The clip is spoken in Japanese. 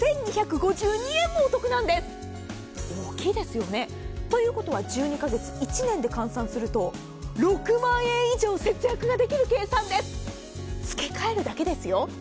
５２５２円もお得なんです大きいですよね。ということは１２カ月、１年で換算すると６万円以上節約できる計算です付け替えるだけですよ。